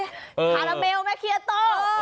คาราเมลมะเคียโต้